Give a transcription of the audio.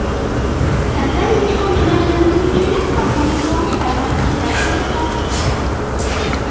Sa famille emménage à Los Angeles en Californie alors qu'il n'a que sept ans.